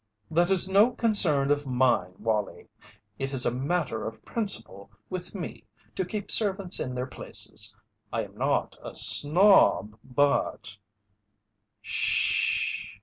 "That is no concern of mine, Wallie. It is a matter of principle with me to keep servants in their places. I am not a snob, but " "Sh ss sh!"